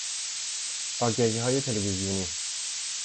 آگهیهای تلویزیونی